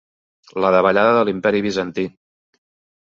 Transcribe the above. La davallada de l'imperi Bizantí.